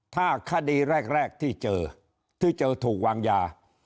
ถ้าคดีแรกที่เจอที่เจอถูกวางยา